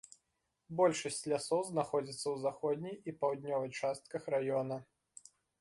Большасць лясоў знаходзіцца ў заходняй і паўднёвай частках раёна.